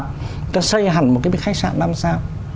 người ta xây hẳn một cái khách sạn năm sao